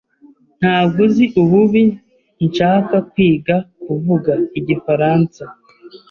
Ntabwo uzi ububi nshaka kwiga kuvuga igifaransa.